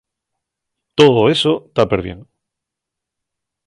Too eso ta perbién.